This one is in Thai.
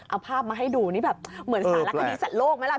เอาภาพให้ดูเนี่ยเหมือนศาลักษณีย์สัตว์โลกู